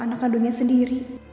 aku anak kandungnya sendiri